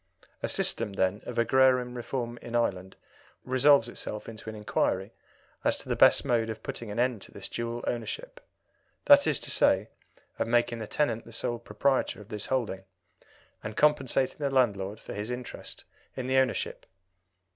A system, then, of agrarian reform in Ireland resolves itself into an inquiry as to the best mode of putting an end to this dual ownership that is to say, of making the tenant the sole proprietor of his holding, and compensating the landlord for his interest in the ownership.